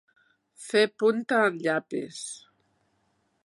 Fer punta al llapis.